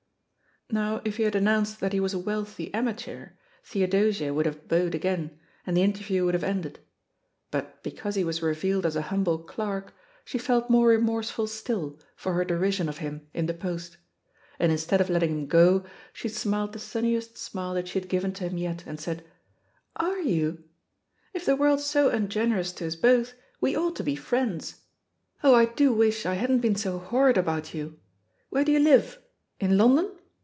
Now if he had announced that he was a wealthy amateur, Theodosia would have bowed again and the interview would have ended; but because he was revealed as a humble clerk she felt more remorseful still for her derision of him in The Post; and instead of letting him go, she smiled 184 THE POSITION OF PEGGY HARPER the sunniest smile that she had given to him yet and said, *^Are you? If the world's so ungener ous to us both, we ought to be friends. Oh, I do wish I hadn't been so horrid about you I Where do you live? In London?